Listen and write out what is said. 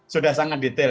sudah sangat detail